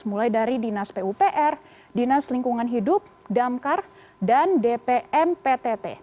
mulai dari dinas pupr dinas lingkungan hidup damkar dan dpmptt